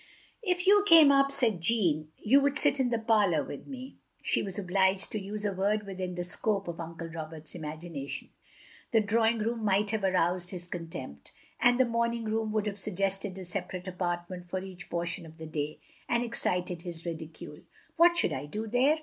"If you came up," said Jeanne, "you would sit in the pariour with me, " she was obliged to use a word within the scope of Uncle Roberts's imagination. The drawing room might have aroused his contempt; and the morning room would have suggested a separate apartment for each portion of the day, and excited his ridicule. "What should I do there?"